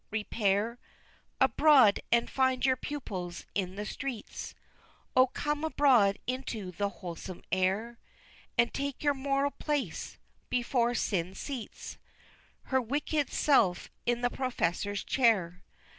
Repair Abroad, and find your pupils in the streets. O, come abroad into the wholesome air, And take your moral place, before Sin seats Her wicked self in the Professor's chair.